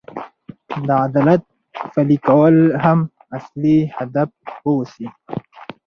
د عدالت پلي کول هم اصلي هدف واوسي.